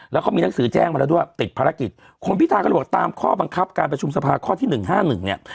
แล้วก็มีหนังสือแจ้งมาแล้วด้วยติดภารกิจคุณพิธาก็เลยบอกตามข้อบังคับการประชุมสภาข้อที่หนึ่งห้าหนึ่งเนี่ย